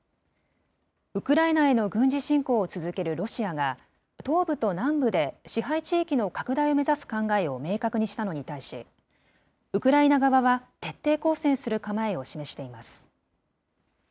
ウクライナへの軍事侵攻を続けるロシアが、東部と南部で支配地域の拡大を目指す考えを明確にしたのに対し、ウクライナ側は徹底抗戦する構えを示しています。